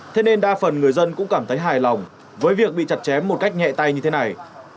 thế nên đa phần người dân cũng cảm thấy hài lòng với việc bị chặt chém một cách nhẹ tay như thế này